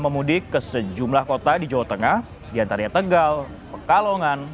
pemudik yang terpantau tertahan cukup lama dan belum bisa untuk melanjutkan perjalanan